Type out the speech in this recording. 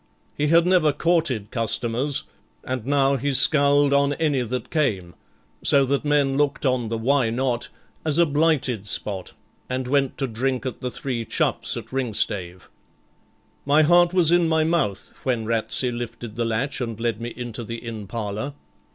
He had never courted customers, and now he scowled on any that came, so that men looked on the Why Not? as a blighted spot, and went to drink at the Three Choughs at Ringstave. My heart was in my mouth when Ratsey lifted the latch and led me into the inn parlour.